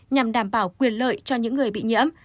nhằm đảm bảo quyền lợi cho những người bị nhiễm